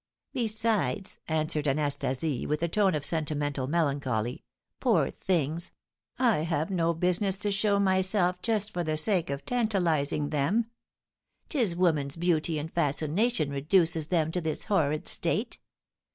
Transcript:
"Besides," answered Anastasie, with a tone of sentimental melancholy, "poor things, I have no business to show myself just for the sake of tantalising them. 'Tis woman's beauty and fascination reduces them to this horrid state.